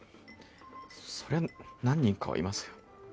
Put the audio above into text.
そりゃ何人かはいますよ。